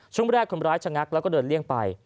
ช่วงแรกคนร้ายชะงักแล้วก็เดินเลี่ยงไป